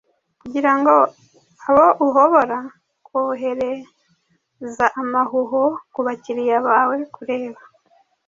kubirango aho uhobora kohereza amahuho kubakiriya bawe kureba,